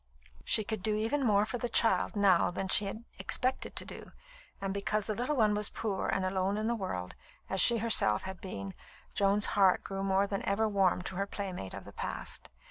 She could do even more for the child now than she had expected to do; and because the little one was poor and alone in the world, as she herself had been, Joan's heart grew more than ever warm to her playmate of the past.